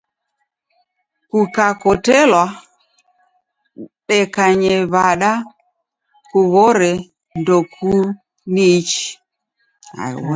Kukakotelwa dekanye w'ada kughore ndokuniichi.